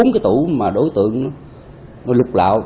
bốn cái tủ mà đối tượng lục lạo